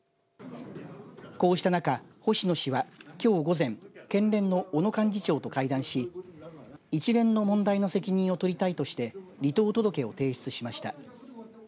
こうした中、星野氏はきょう午前県連の小野幹事長と会談し一連の問題の責任を取りたいとして離党届を提出しました。